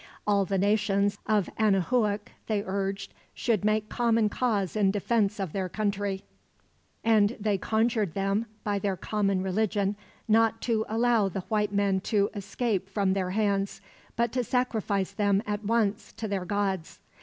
All the nations of Anahuac, they urged, should make common cause in defense of their country; and they conjured them, by their common religion, not to allow the white men to escape from their hands; but to sacrifice them, at once, to their gods.